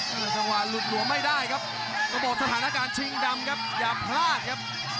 ก็จะว่าหลุดหัวไม่ได้ครับระบบสถานการณ์ชิงดำครับอย่าพลาดครับ